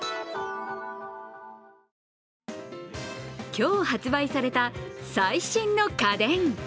今日発売された最新の家電。